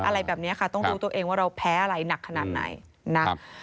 อะไรแบบนี้ค่ะต้องรู้ตัวเองว่าเราแพ้อะไรหนักขนาดไหนนะครับ